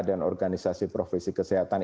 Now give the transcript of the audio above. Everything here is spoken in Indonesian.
dan organisasi profesi kesehatan